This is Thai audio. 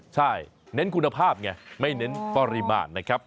ใช่เน้นคุณภาพไงไม่เน้นปริมาณนะครับ